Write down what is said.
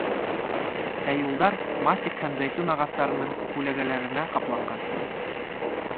...Ә юлдар мастик һәм зәйтүн ағастарының күләгәләренә ҡапланған.